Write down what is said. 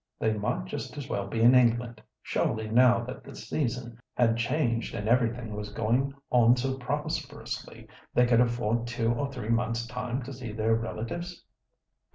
They might just as well be in England. Surely, now that the season had changed and everything was going on so prosperously, they could afford two or three months' time to see their relatives."